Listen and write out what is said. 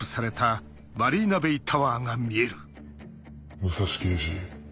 武蔵刑事。